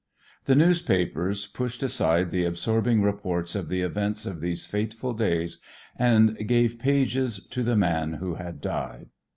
The newspapers pushed aside the absorbing reports of the events of these fateful days and gave pages to the man who had died.